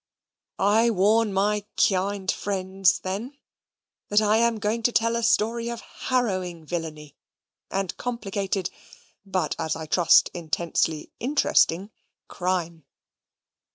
I warn my "kyind friends," then, that I am going to tell a story of harrowing villainy and complicated but, as I trust, intensely interesting crime.